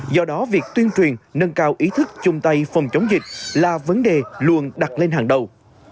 do đó việc tuyên truyền nâng cao ý thức chung tay phòng chống dịch là vấn đề luôn đặt lên hàng đầu